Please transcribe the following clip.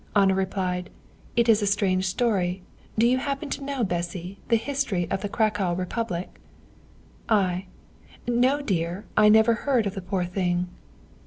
Anna replied: 'It is a strange story. Do you happen to know, Bessy, the history of the Cracow Republic?' "I: 'No, dear, I never heard of the poor thing.'